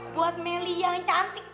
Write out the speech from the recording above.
buat meli yang cantik